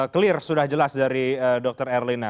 clear sudah jelas dari dokter erlin